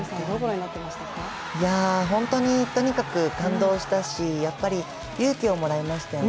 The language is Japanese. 本当にとにかく感動したし、やっぱり勇気をもらいましたよね。